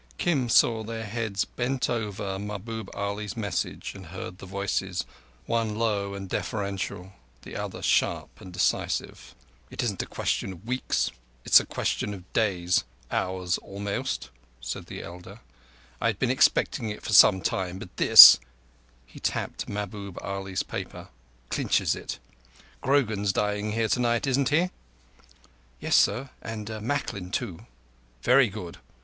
Kim saw their heads bent over Mahbub Ali's message, and heard the voices—one low and deferential, the other sharp and decisive. "It isn't a question of weeks. It is a question of days—hours almost," said the elder. "I'd been expecting it for some time, but this"—he tapped Mahbub Ali's paper—"clinches it. Grogan's dining here to night, isn't he?" "Yes, sir, and Macklin too." "Very good.